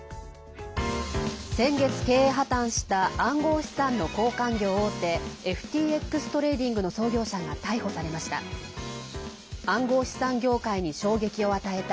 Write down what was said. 先月、経営破綻した暗号資産の交換業大手ＦＴＸトレーディングの創業者が逮捕されました。